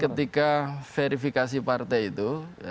jadi ketika verifikasi partai itu